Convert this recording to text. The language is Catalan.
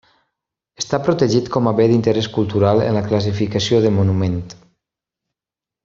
Està protegit com a bé d'interès cultural en la classificació de monument.